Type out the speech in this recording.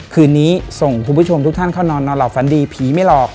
คืนนี้ส่งคุณผู้ชมทุกท่านเข้านอนนอนหลับฝันดีผีไม่หลอก